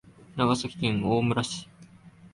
長崎県大村市